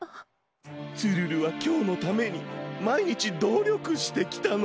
ツルルはきょうのためにまいにちどりょくしてきたの。